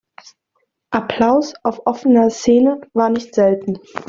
Applaus auf offener Szene war nicht selten.